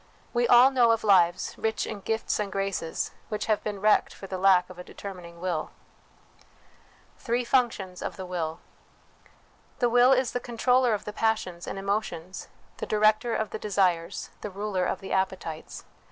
We all know of lives, rich in gifts and graces, which have been wrecked for the lack of a determining will. Three Functions of the Will. The will is the controller of the passions and emotions, the director of the desires, the ruler of the appetites.